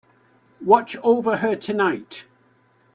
Watch over her tonight.